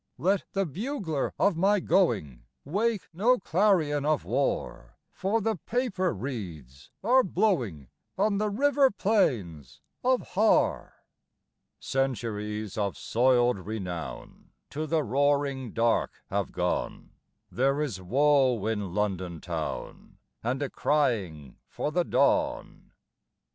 "Let the bugler of my going Wake no clarion of war; For the paper reeds are blowing On the river plains of Har." Centuries of soiled renown To the roaring dark have gone: There is woe in London town, And a crying for the dawn.